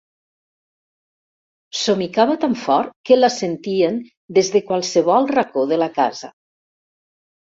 Somicava tan fort que la sentien des de qualsevol racó de la casa.